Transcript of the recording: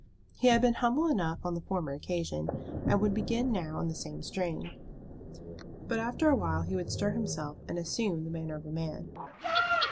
He had been humble enough on the former occasion, and would begin now in the same strain. But after a while he would stir himself, and assume the manner of a man.